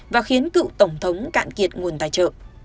và khiến cựu tổng thống cạn kiệt nguồn tài trợ